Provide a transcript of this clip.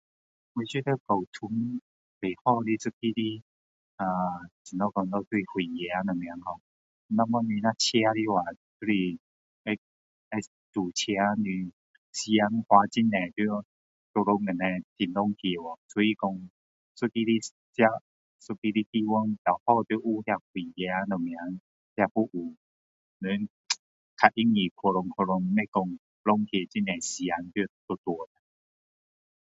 我觉得交通最好的一个呃怎样说咯就是火车什么 ho 要不然你的车的话就是会会堵车你时间花很多在路上那边很浪费去所以说一个一个的地方然后要有火车什么的那些服务人比较容易去哪去哪不用说浪费很多时间在路路